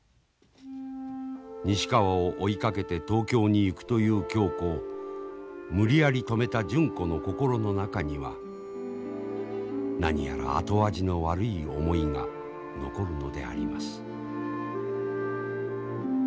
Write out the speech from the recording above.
西川を追いかけて東京に行くという恭子を無理やり止めた純子の心の中には何やら後味の悪い思いが残るのであります。